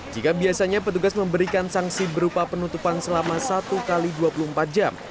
jika biasanya petugas memberikan sanksi berupa penutupan selama satu x dua puluh empat jam